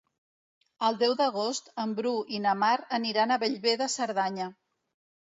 El deu d'agost en Bru i na Mar aniran a Bellver de Cerdanya.